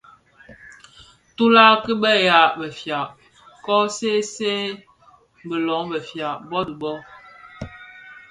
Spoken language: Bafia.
Tülag ki bëya bëfia kō see see bi lön befia bō dhi bō,